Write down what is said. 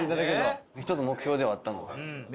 １つの目標ではあったので。